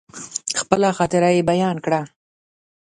خپله خاطره يې بيان کړه.